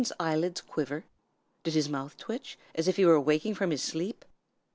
Did that one's eyelids quiver; did his mouth twitch, as if he were waking from his sleep?